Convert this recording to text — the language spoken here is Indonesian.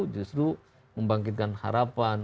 justru membangkitkan harapan